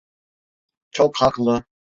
Çok haklı.